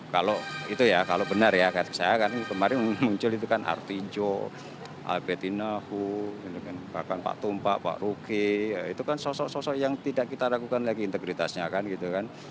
kalau itu ya kalau benar ya saya kan kemarin muncul itu kan artijo albetinahu bahkan pak tumpak pak ruki itu kan sosok sosok yang tidak kita ragukan lagi integritasnya kan gitu kan